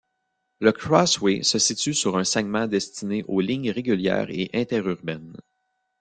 Le Crossway se situe sur un segment destiné aux lignes régulières et interurbaines.